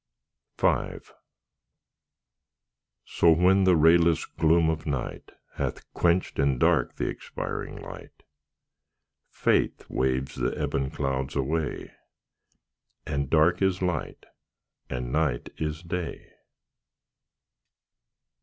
V So, when the rayless gloom of night Hath quenched in dark the expiring light, Faith waves the ebon clouds away, And dark is light, and night is day.